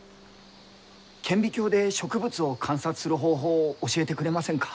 顕微鏡で植物を観察する方法を教えてくれませんか？